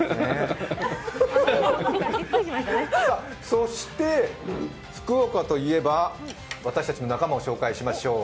そして、福岡といえば私たちの仲間を紹介しましょう。